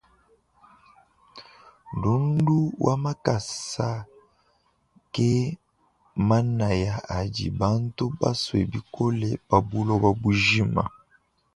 Ndundu wa makasa ke manaya adi bantu basue bikole pa buloba bujima.